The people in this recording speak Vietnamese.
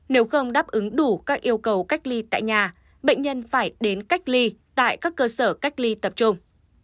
nếu không đáp ứng đủ các yêu cầu cách ly tại nhà bệnh nhân phải đến cách ly tại các cơ sở cách ly tập trung